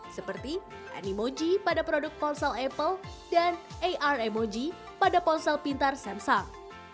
seperti animoji pada produk ponsel apple dan ar emoji pada ponsel pintar samsal